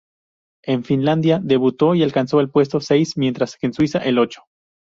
En Finlandia, debutó y alcanzó el puesto seis, mientras que en Suiza, el ocho.